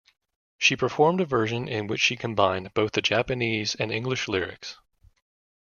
She performed a version in which she combined both the Japanese and English lyrics.